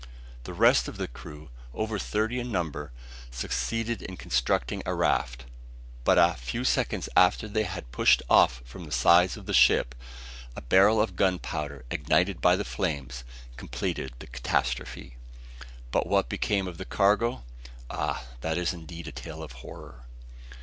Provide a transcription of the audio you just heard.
The rest of the crew, over thirty in number, succeeded in constructing a raft; and but a few seconds after they had pushed off from the sides of the ship, a barrel of gunpowder ignited by the flames, completed the catastrophe. But what became of the cargo? Ah! that is indeed a tale of horror.